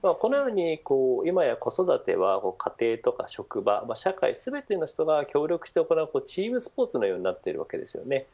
今や子育ては、家庭とか職場社会全ての人が協力して行うチームスポーツのようになっているわけですよね。